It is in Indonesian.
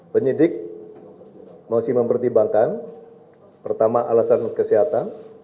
penyidik masih mempertimbangkan pertama alasan kesehatan